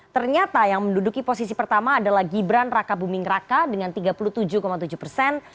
ternyata yang menduduki posisi pertama adalah gibran raka buming raka dengan tiga puluh tujuh tujuh persen